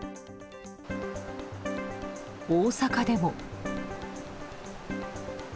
大阪でも。